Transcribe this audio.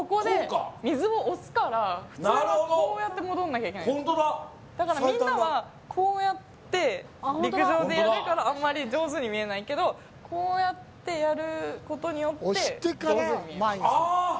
普通はこうやって戻んなきゃいけないんですだからみんなはこうやって陸上でやるからあんまり上手に見えないけどこうやってやることによって上手に見えるああ